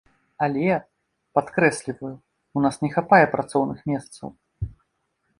Але, падкрэсліваю, у нас не хапае працоўных месцаў.